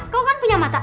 lia kau kan punya mata